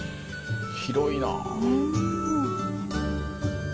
広いなぁ。